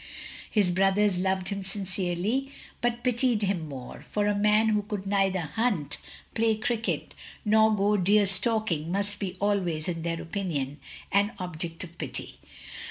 His brothers loved him sincerely, but pitied him more; for a man who could neither hunt, play cricket, nor go deer stalking must be always, in their opinion, an object of pity.